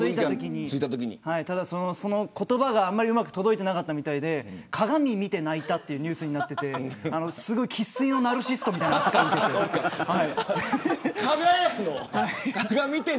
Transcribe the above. ただ、その言葉があまりうまく届いてなかったみたいで鏡見て泣いたというニュースになってて生粋のナルシストみたいな扱いを受けて。